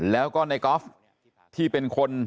แล้วก็ในกอล์ฟที่เป็นคน